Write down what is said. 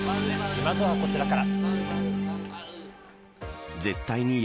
まずはこちらから。